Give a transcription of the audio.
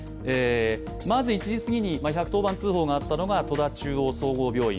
まず、１時すぎに１１０番通報があったのが戸田中央総合病院。